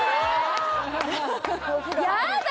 やだ！